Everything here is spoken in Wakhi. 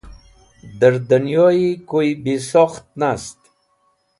Dẽr dẽnyoyi koy bisokht nast.